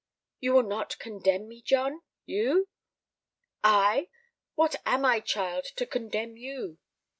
"You will not condemn me, John—you?" "I! What am I, child, to condemn you?"